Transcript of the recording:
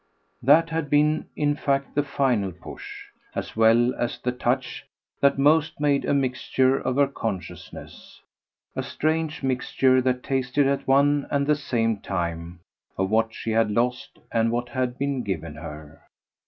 That had been in fact the final push, as well as the touch that most made a mixture of her consciousness a strange mixture that tasted at one and the same time of what she had lost and what had been given her.